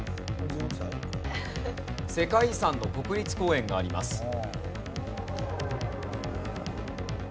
世界遺産の国立公園があります。